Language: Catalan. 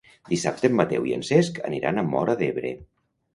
Dissabte en Mateu i en Cesc aniran a Móra d'Ebre.